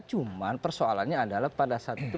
cuma persoalannya adalah pada saat itu